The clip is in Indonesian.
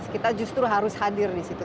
kita justru harus hadir di situ